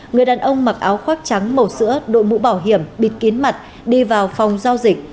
người đàn ông mặc áo khoác trắng màu sữa đội mũ bảo hiểm bịt kín mặt đi vào phòng giao dịch